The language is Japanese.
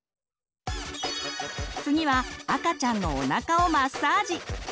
次は赤ちゃんのおなかをマッサージ！